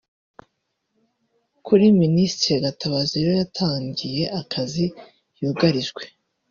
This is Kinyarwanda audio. Kuri Ministre Gatabazi rero yatangiye akazi yugarijwe